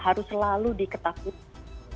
harus selalu diketahui